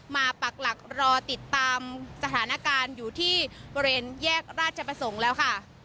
ปักหลักรอติดตามสถานการณ์อยู่ที่บริเวณแยกราชประสงค์แล้วค่ะ